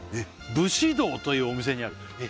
「節道というお店にある」